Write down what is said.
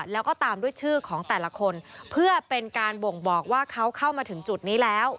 แล้วก็ตามด้วยชื่อของแต่ละคนเพื่อเป็นการบ่งบอกว่าเขาเข้ามาถึงจุดนี้แล้ว